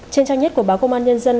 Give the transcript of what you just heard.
trên trang nhất của báo công an nhân dân